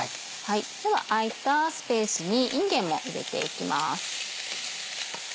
では空いたスペースにいんげんも入れていきます。